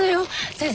先生